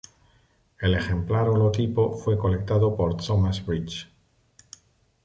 El ejemplar holotipo fue colectado por Thomas Bridges.